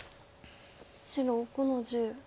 白５の十。